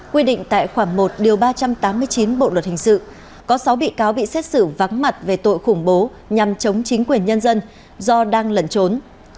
quy định tại khoản một ba trăm tám mươi chín bộ luật hình sự có sáu bị cáo bị xét xử vắng mặt về tội khủng bố nhằm chống chính quyền nhân dân do đang lẩn trốn